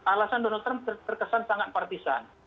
alasan donald trump terkesan sangat partisan